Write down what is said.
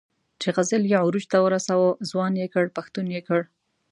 چې غزل یې عروج ته ورساوه، ځوان یې کړ، پښتون یې کړ.